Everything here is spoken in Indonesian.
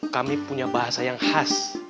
kami punya bahasa yang khas